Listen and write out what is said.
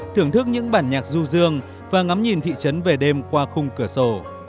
thưởng thức những bản nhạc du dương và ngắm nhìn thị trấn về đêm qua khung cửa sổ